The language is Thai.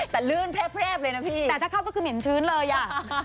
แต่ลื่นเพบเลยนะพี่แต่ถ้าเข้าก็คือเหม็นชื้นเลยอ่ะ